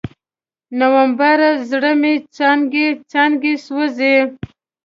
نومبره، زړه مې څانګې، څانګې سوزي